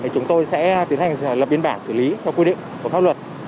chúng tôi sẽ tiến hành lập biên bản xử lý theo quy định của pháp luật